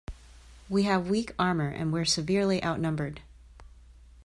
We have weak armor and we're severely outnumbered.